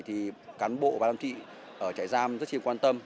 thì cán bộ ban giám thị trại giam rất chiêm quan tâm